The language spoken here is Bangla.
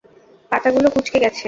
পাতাগুলো কুঁচকে গেছে।